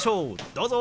どうぞ。